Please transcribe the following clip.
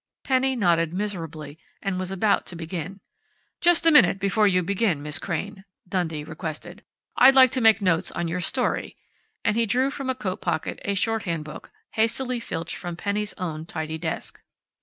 Penny nodded miserably and was about to begin. "Just a minute, before you begin, Miss Crain," Dundee requested. "I'd like to make notes on your story," and he drew from a coat pocket a shorthand book, hastily filched from Penny's own tidy desk.